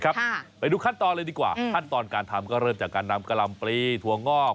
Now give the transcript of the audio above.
ไปดูขั้นตอนเลยดีกว่าขั้นตอนการทำก็เริ่มจากการนำกะลำปลีถั่วงอก